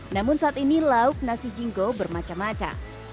namun saat ini lauk nasi jingo bermacam macam